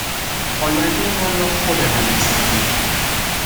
آیندهمان را خودمان میسازیم